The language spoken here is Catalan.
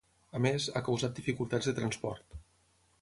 A més, ha causat dificultats de transport.